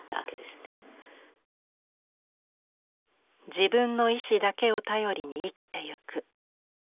自分の意思だけを頼りに生きていく。